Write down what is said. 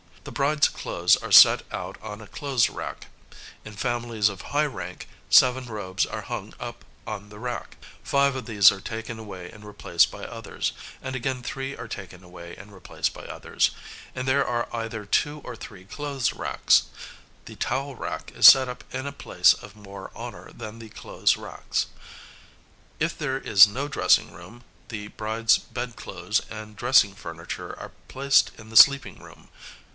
The bride's clothes are set out on a clothes rack; in families of high rank, seven robes are hung up on the rack; five of these are taken away and replaced by others, and again three are taken away and replaced by others; and there are either two or three clothes racks: the towel rack is set up in a place of more honour than the clothes racks. If there is no dressing room, the bride's bedclothes and dressing furniture are placed in the sleeping room.